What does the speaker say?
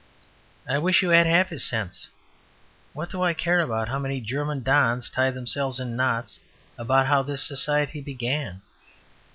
I wish you had half his sense. What do I care how many German dons tie themselves in knots about how this society began?